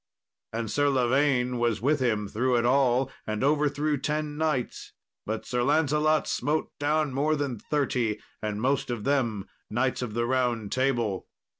And Sir Lavaine was with him through it all, and overthrew ten knights; but Sir Lancelot smote down more than thirty, and most of them Knights of the Round Table.